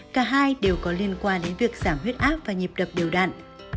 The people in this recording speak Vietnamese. cả hai đều có liên quan đến việc giảm huyết áp và nhịp đập điều đặn